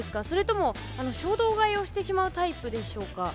それとも衝動買いをしてしまうタイプでしょうか？